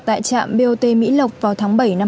tại trạm bot mỹ lộc vào tháng bảy năm hai nghìn một mươi tám